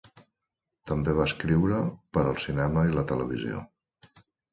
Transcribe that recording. També va escriure per al cinema i la televisió.